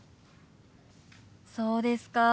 そうですか。